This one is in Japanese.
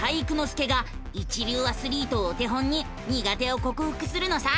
介が一流アスリートをお手本に苦手をこくふくするのさ！